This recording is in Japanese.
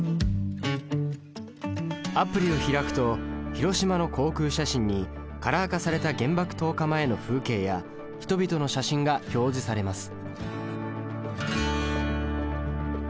アプリを開くと広島の航空写真にカラー化された原爆投下前の風景や人々の写真が表示されます。